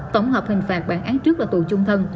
tổng hợp hình phạt bản án trước là tù chung thân